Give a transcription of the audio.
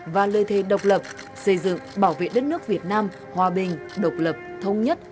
và lời thề độc lập xây dựng bảo vệ đất nước việt nam hòa bình độc lập thống nhất